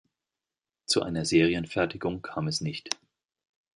Zu einer Serienfertigung kam es nicht.